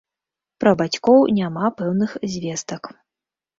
Пра бацькоў няма пэўных звестак.